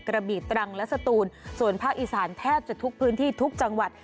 กระบีตรังและสตูนส่วนภาคอีสานแทบจะทุกพื้นที่ทุกจังหวัด